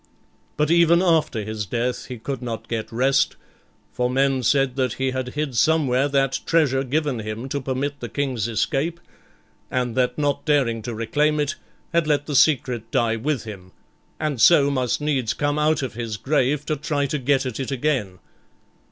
But even after his death he could not get rest; for men said that he had hid somewhere that treasure given him to permit the King's escape, and that not daring to reclaim it, had let the secret die with him, and so must needs come out of his grave to try to get at it again.